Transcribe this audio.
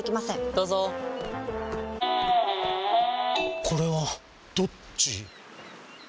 どうぞこれはどっち？